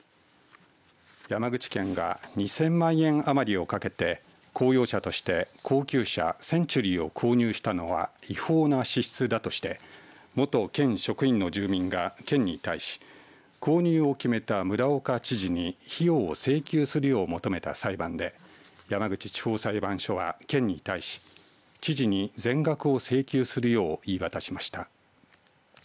山口県が２０００万円余りをかけて公用車として高級車センチュリーを購入したのは違法な支出だとして元県職員の住民が県に対し購入を決めた村岡知事に費用を請求するように求めた裁判で山口地方裁判所は県に対し知事に全額を請求するよう言い渡しました。